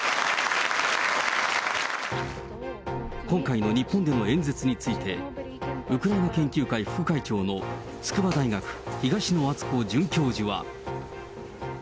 今回の日本での演説について、ウクライナ研究会副会長の筑波大学、東野篤子准教授は。